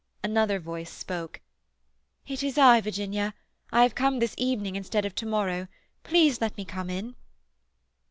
Another voice spoke. "It is I, Virginia. I have come this evening instead of to morrow. Please let me come in."